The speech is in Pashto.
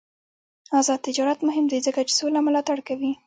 آزاد تجارت مهم دی ځکه چې سوله ملاتړ کوي.